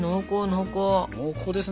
濃厚ですね。